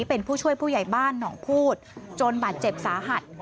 เป็นผู้ช่วยผู้ใหญ่บ้านหนองพูดจนบาดเจ็บสาหัส